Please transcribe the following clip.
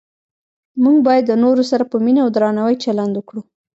موږ باید د نورو سره په مینه او درناوي چلند وکړو